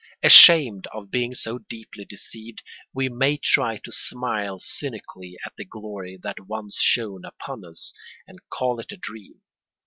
Ashamed of being so deeply deceived, we may try to smile cynically at the glory that once shone upon us, and call it a dream.